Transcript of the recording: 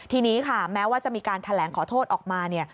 ทีนี้ค่ะแม้ว่าจะมีการแถลงขอโทษออกมาเนี่ย